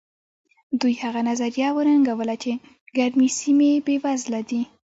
دوی هغه نظریه وننګوله چې ګرمې سیمې بېوزله دي.